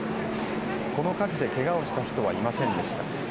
この火事でけがをした人はいませんでした。